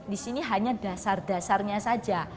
di sini hanya dasar dasarnya saja